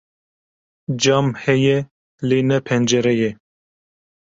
cam heye lê ne pencere ye